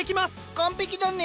完璧だね。